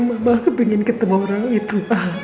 mama ingin ketemu roy itu